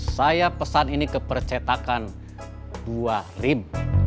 saya pesan ini ke percetakan dua rim